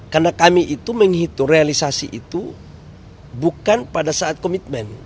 karena kami itu menghitung realisasi itu bukan pada saat komitmen